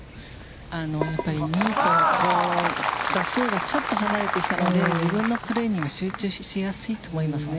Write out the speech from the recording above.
やっぱり打数とちょっと離れてきたので、自分のプレーにも集中しやすいと思いますね。